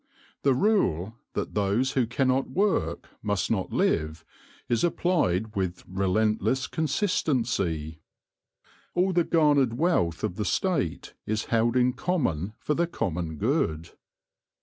The rule, that those who cannot work must not live, is applied with relentless consistency. All the garnered wealth of the State is held in common for the common good.